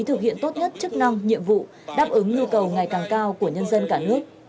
thực hiện tốt nhất chức năng nhiệm vụ đáp ứng nhu cầu ngày càng cao của nhân dân cả nước